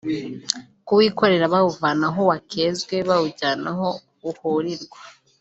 kuwikorera bawuvana aho wakezwe bawujyana aho uhurirwa